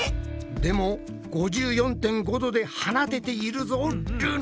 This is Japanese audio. でも５４．５度で放てているぞルナ。